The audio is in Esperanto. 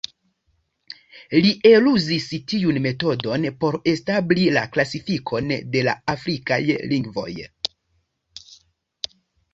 Li eluzis tiun metodon por establi klasifikon de la afrikaj lingvoj.